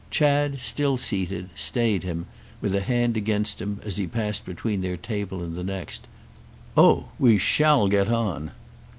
Chad, still seated, stayed him, with a hand against him, as he passed between their table and the next. "Oh we shall get on!"